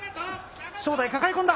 正代、抱え込んだ。